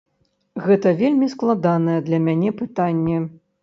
Гэта вельмі складанае для мяне пытанне.